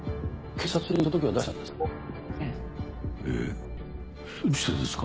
警察に届けは出したんですか？